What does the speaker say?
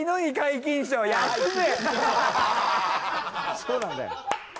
そうなんだよ。